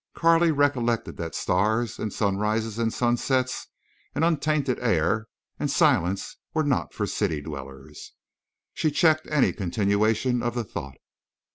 Carley recollected that stars, and sunrises and sunsets, and untainted air, and silence were not for city dwellers. She checked any continuation of the thought.